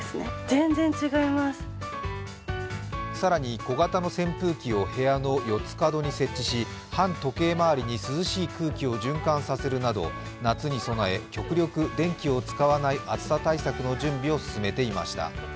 更に、小型の扇風機を部屋の四つ角に設置し反時計回りに涼しい空気を循環させるなど夏に備え、極力電気を使わない暑さ対策の準備を進めていました。